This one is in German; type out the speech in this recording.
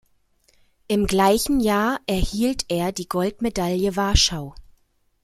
Im gleichen Jahr erhielt er die Goldmedaille Warschau.